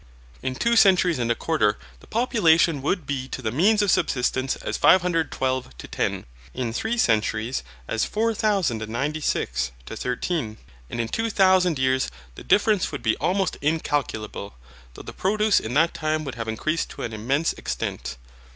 In two centuries and a quarter, the population would be to the means of subsistence as 512 to 10: in three centuries as 4096 to 13, and in two thousand years the difference would be almost incalculable, though the produce in that time would have increased to an immense extent.